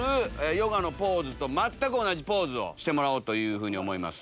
ヨガのポーズと全く同じポーズをしてもらおうと思います。